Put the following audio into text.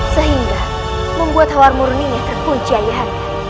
sehingga membuat hawar murni terkunci ayah handa